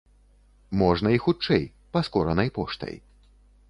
Можна і хутчэй, паскоранай поштай.